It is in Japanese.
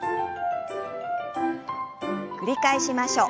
繰り返しましょう。